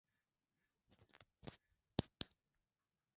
Wakuu hao wa nchi wamesema kwamba katika siku za usoni